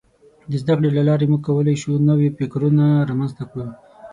د زدهکړې له لارې موږ کولای شو نوي فکرونه رامنځته کړو.